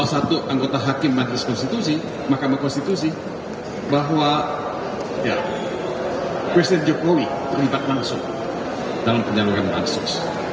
nah salah satu anggota hakim mahasiswa konstitusi mahkamah konstitusi bahwa ya presiden jokowi terlibat pansos dalam penyaluran pansos